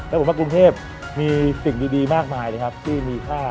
แล้วผมว่ากรุงเทพมีสิ่งดีมากมายนะครับที่มีค่า